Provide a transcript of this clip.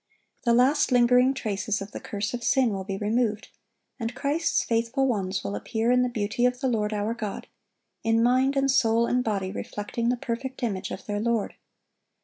The last lingering traces of the curse of sin will be removed, and Christ's faithful ones will appear "in the beauty of the Lord our God," in mind and soul and body reflecting the perfect image of their Lord.